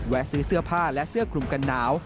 ซื้อเสื้อผ้าและเสื้อคลุมกันหนาว